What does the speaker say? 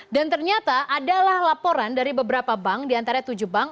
dan ternyata adalah laporan dari beberapa bank diantara tujuh bank